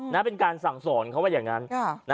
เป็นการสั่งสอนเขาว่าอย่างนั้น